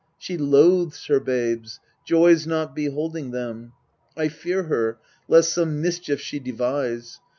She loathes her babes, joys not beholding them. I fear her, lest some mischief she devise.